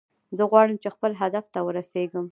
زه غواړم چې خپل هدف ته ورسیږم